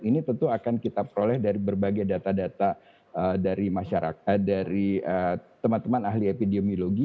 ini tentu akan kita peroleh dari berbagai data data dari teman teman ahli epidemiologi